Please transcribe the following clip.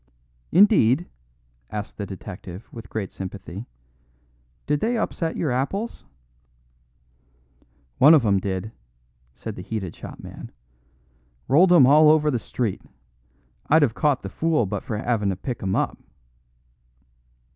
"Indeed?" asked the detective, with great sympathy. "Did they upset your apples?" "One of 'em did," said the heated shopman; "rolled 'em all over the street. I'd 'ave caught the fool but for havin' to pick 'em up."